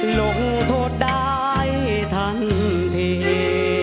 หลวงทวดได้ทันที